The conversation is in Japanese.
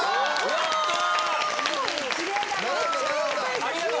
やったー！